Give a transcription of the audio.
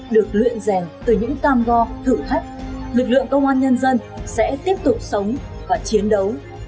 được luyện rèn từ những cam go thử thách lực lượng công an nhân dân sẽ tiếp tục sống và chiến đấu